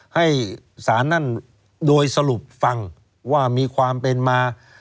ให้ศาลนั่นโดยสรุปฟังว่ามีความเป็นมา